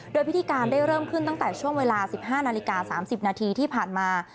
โดยพิธีการได้เริ่มขึ้นตั้งแต่ช่วงเวลา๑๕นาฬิกา๓๐นาทีที่ผ่านมา